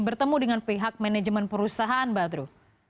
bertemu dengan pihak manajemen perusahaan badru